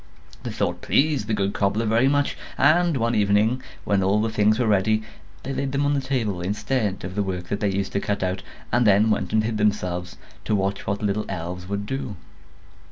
The thought pleased the good cobbler very much; and one evening, when all the things were ready, they laid them on the table, instead of the work that they used to cut out, and then went and hid themselves, to watch what the little elves would do.